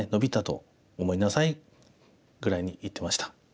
ぐらいに言ってました。